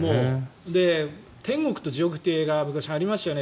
「天国と地獄」って映画が昔ありましたよね